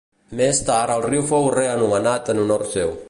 Més tard el riu fou reanomenat en honor seu.